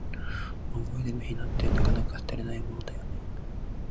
思い出の品って、なかなか捨てられないものだよね。